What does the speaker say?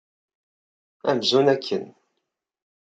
Amzun akken!